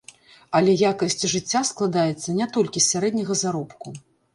Але якасць жыцця складаецца не толькі з сярэдняга заробку.